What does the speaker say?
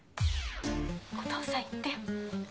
お父さん言ってよ。